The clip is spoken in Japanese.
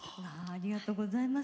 ありがとうございます。